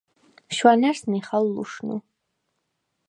შვანა̈რს ნიხალ ლუშნუ.